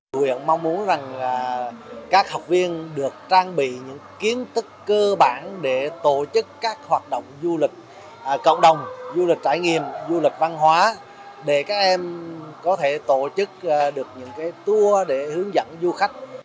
tuyện mong muốn rằng các học viên được trang bị những kiến thức cơ bản để tổ chức các hoạt động du lịch cộng đồng du lịch trải nghiệm du lịch văn hóa để các em có thể tổ chức được những tour để hướng dẫn du khách